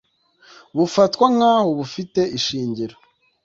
Bufatwa nkaho bufite ishingiro